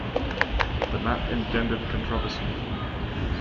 The map engendered controversy.